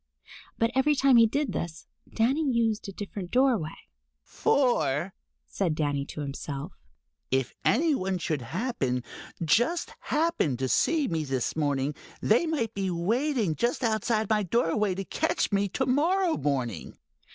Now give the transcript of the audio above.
But every time he did this, Danny used a different doorway. "For," said Danny to himself, "if any one should happen, just happen, to see me this morning, they might be waiting just outside my doorway to catch me to morrow morning."